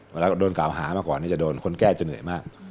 เวลาโดนกล่าวหามากกว่านี้จะโดนคนแก้จะเหนื่อยมาก